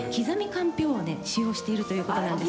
かんぴょうをね使用しているということなんです。